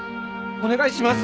お願いします！